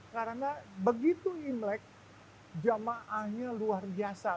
karena begitu imlek jamaahnya luar biasa